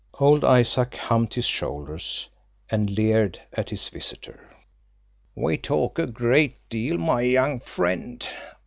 Old Isaac humped his shoulders, and leered at his visitor. "We talk a great deal, my young friend.